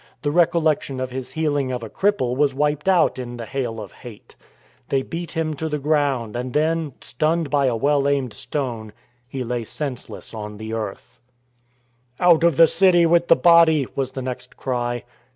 The recollection of his healing of a cripple was wiped out in the hail of hate. They beat him to the ground, and then, stunned by a well aimed stone, he lay senseless on the earth. WORSHIPPED AND STONED 147 " Out of the city with the body !" was the next cry.